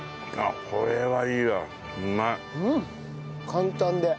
簡単で。